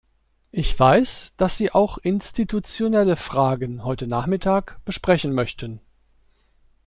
Ich weiß, dass Sie auch institutionelle Fragen heute Nachmittag besprechen möchten.